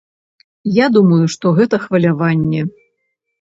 Я думаю, што гэта хваляванне.